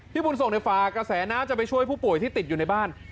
บุญส่งในฝากกระแสน้ำจะไปช่วยผู้ป่วยที่ติดอยู่ในบ้าน